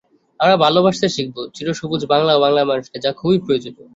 আমরা ভালোবাসতে শিখব চিরসবুজ বাংলা ও বাংলার মানুষকে, যা খুবই প্রয়োজনীয়।